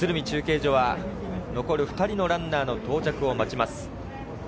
中継所は残る２人のランナーの到着を待ちます。